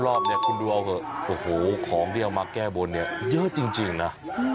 รอบคุณดูเอาเถอะของที่เอามาแก้บนเยอะจริงนะ